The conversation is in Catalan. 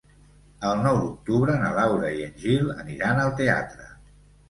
El nou d'octubre na Laura i en Gil aniran al teatre.